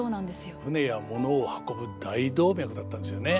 船や物を運ぶ大動脈だったんですよね。